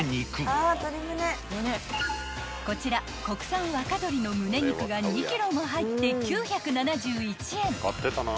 ［こちら国産若鶏の胸肉が２ｋｇも入って９７１円］